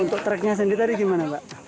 untuk tracknya sendiri tadi gimana pak